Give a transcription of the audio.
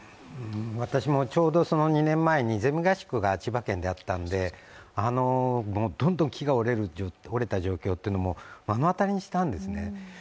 私もちょうど２年前にゼミ合宿が千葉県であったのでどんどん木が折れた状況というのを目の当たりにしたんですね。